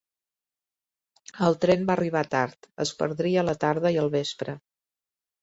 El tren va arribar tard; es perdria la tarda i el vespre.